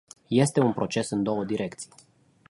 Este un proces în două direcții.